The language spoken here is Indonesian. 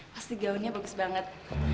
pasti gaunnya bagus banget